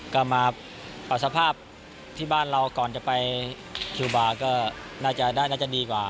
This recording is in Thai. ก็มาเอาสภาพที่บ้านเราก่อนจะไปคิวบาร์ก็น่าจะดีกว่า